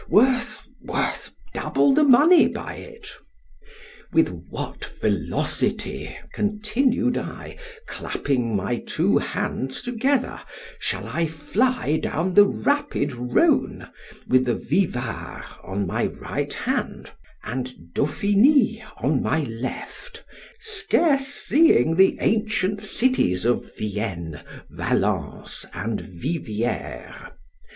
worth—worth double the money by it. With what velocity, continued I, clapping my two hands together, shall I fly down the rapid Rhône, with the VIVARES on my right hand, and DAUPHINY on my left, scarce seeing the ancient cities of VIENNE, Valence, and _Vivieres.